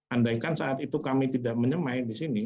andaikan saat itu kami tidak menyemai di sini